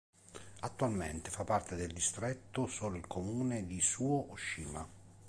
Attualmente fa parte del distretto solo il comune di Suō-Ōshima.